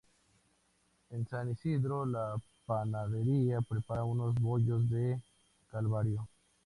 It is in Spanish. En San Isidro, la panadería prepara unos Bollos del Calvario.